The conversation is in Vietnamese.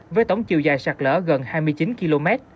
với tổng chiều dài sạt lỡ gần hai mươi chín km